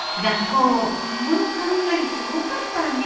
昨日の雷すごかったね。